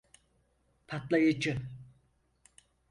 Patlayıcı…